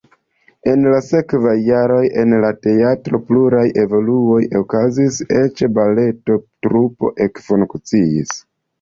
En la sekvaj jaroj en la teatro pluraj evoluoj okazis, eĉ baleto trupo ekfunkciis.